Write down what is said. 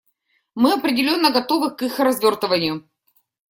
Мы определенно готовы к их развертыванию.